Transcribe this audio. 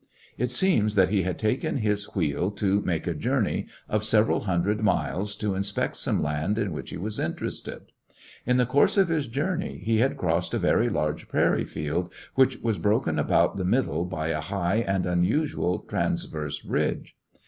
It seems that he had taken his wheel to make a journey of several hundred miles to inspect some land in which he was interested. In the coarse of his journey he had crossed a very large prairie field, which was broken about the middle by a high and unusual transverse ridge.